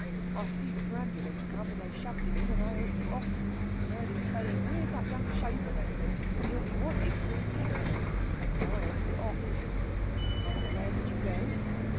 I see the perambulance come, and they shoved him in, and I hooked it off, and heard 'em saying where's that young shaver, they says; he'll be wanted for his testament. So I hooked it off." "And where did you go?"